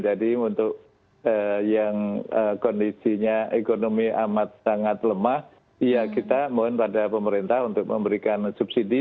jadi untuk yang kondisinya ekonomi amat sangat lemah ya kita mohon pada pemerintah untuk memberikan subsidi